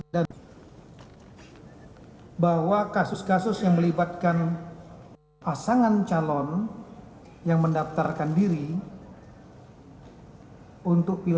dan bahwa kasus kasus yang melibatkan pasangan calon yang mendaftarkan diri untuk pilkada